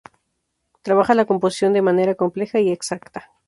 Trabaja la composición de manera compleja y exacta.